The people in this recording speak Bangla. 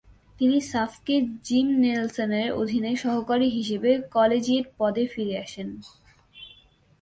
তিনি সাফকে জিম নেলসনের অধীনে সহকারী হিসেবে কলেজিয়েট পদে ফিরে আসেন।